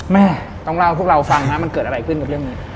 แม่ต้องเล่าให้พวกเราฟังฮะมันเกิดอะไรขึ้นกับเรื่องนี้